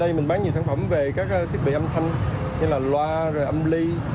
đây mình bán nhiều sản phẩm về các thiết bị âm thanh như là loa rồi âm ly